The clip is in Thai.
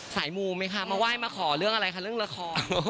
มูไหมคะมาไหว้มาขอเรื่องอะไรคะเรื่องละคร